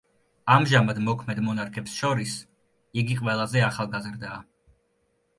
ამჟამად მოქმედ მონარქებს შორის იგი ყველაზე ახალგაზრდაა.